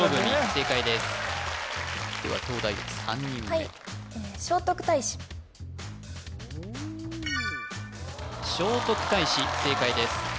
正解ですでは東大王３人目聖徳太子正解です